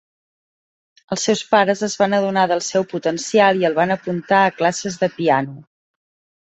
Els seus pares es van adonar del seu potencial i el van apuntar a classes de piano.